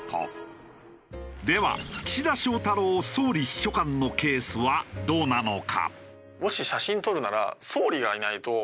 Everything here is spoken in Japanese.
では岸田翔太郎総理秘書官のケースはどうなのか？